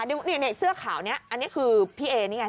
เสื้อขาวนี้อันนี้คือพี่เอนี่ไง